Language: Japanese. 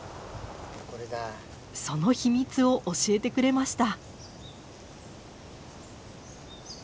その秘密を教えてくれました。